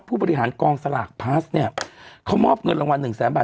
ผู้บริหารกองสลากพลัสเนี่ยเขามอบเงินรางวัลหนึ่งแสนบาท